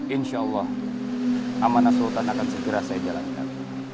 insya allah amanah sultan akan segera saya jalankan